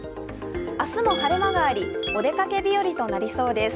明日も晴れ間がありお出かけ日和となりそうです。